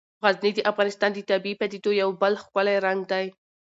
غزني د افغانستان د طبیعي پدیدو یو بل ښکلی رنګ دی.